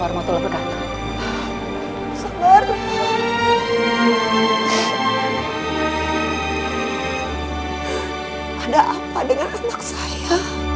warahmatullah wabarakatuh ada apa dengan anak saya